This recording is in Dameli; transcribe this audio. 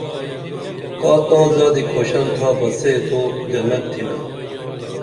کا تاں زادی کھوشن تھا بہ سے تو جنت تِھنا